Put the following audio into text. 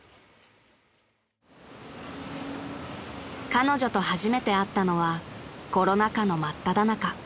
［彼女と初めて会ったのはコロナ禍の真っただ中］